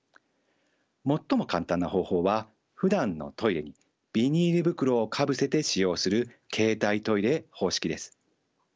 最も簡単な方法はふだんのトイレにビニール袋をかぶせて使用する携帯トイレ方式です。